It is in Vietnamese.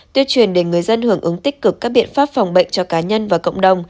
tuyên truyền để người dân hưởng ứng tích cực các biện pháp phòng bệnh cho cá nhân và cộng đồng